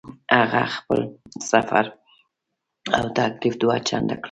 هغه خپل سفر او تکلیف دوه چنده کړی.